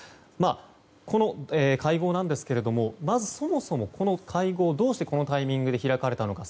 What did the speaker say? この会合ですがそもそもこの会合どうしてこのタイミングで開かれたのか。